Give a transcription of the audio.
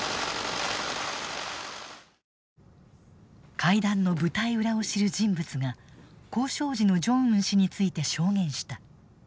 会談の舞台裏を知る人物が交渉時のジョンウン氏について証言した。